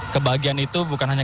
kebahagiaan itu bukan hanya